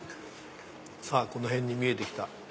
さぁこの辺に見えてきた。